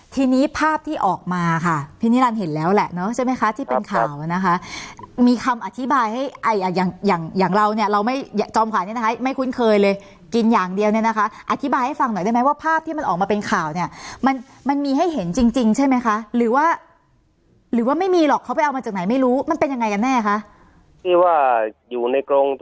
ทีนี้ภาพที่ออกมาค่ะพี่นิรันดิ์เห็นแล้วแหละเนอะใช่ไหมคะที่เป็นข่าวนะคะมีคำอธิบายให้อย่างอย่างอย่างเราเนี่ยเราไม่จอมข่าวเนี่ยนะคะไม่คุ้นเคยเลยกินอย่างเดียวเนี่ยนะคะอธิบายให้ฟังหน่อยได้ไหมว่าภาพที่มันออกมาเป็นข่าวเนี่ยมันมันมีให้เห็นจริงจริงใช่ไหมคะหรือว่าหรือว่าไม